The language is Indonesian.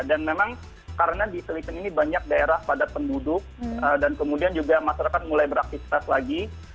dan memang karena di selipin ini banyak daerah padat penduduk dan kemudian juga masyarakat mulai beraktifitas lagi